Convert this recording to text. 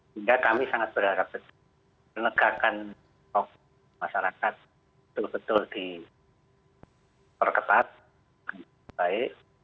sehingga kami sangat berharap penegakan masyarakat betul betul diperketat baik